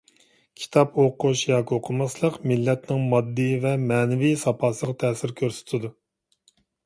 كىتاب ئوقۇش ياكى ئوقۇماسلىق مىللەتنىڭ ماددىي ۋە مەنىۋى ساپاسىغا تەسىر كۆرسىتىدۇ.